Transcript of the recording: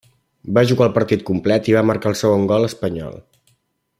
Va jugar el partit complet i va marcar el segon gol espanyol.